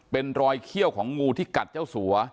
เป็นรอยเขี้ยวของงูที่กัดเจ้าสัว